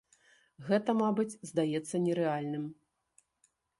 Гэта, мабыць, здаецца нерэальным.